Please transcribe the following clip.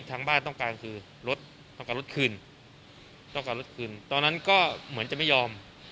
ทางบ้านต้องการคือรถต้องการรถคืนต้องการรถคืนตอนนั้นก็เหมือนจะไม่ยอม